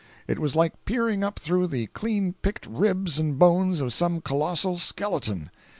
It was like peering up through the clean picked ribs and bones of some colossal skeleton.